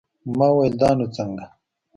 ما وويل دا نو څنگه.